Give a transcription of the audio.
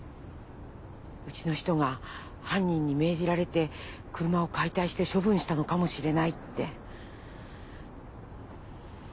うちの人が犯人に命じられて車を解体して処分したのかもしれないって。